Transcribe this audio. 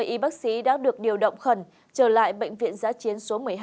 ba mươi y bác sĩ đã được điều động khẩn trở lại bệnh viện giã chiến số một mươi hai